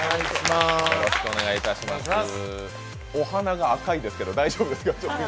お鼻が赤いですが、大丈夫ですか？